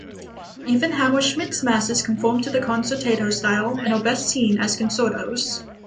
Even Hammerschmidt's masses conform to the concertato style, and are best seen as concertos.